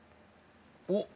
おっ。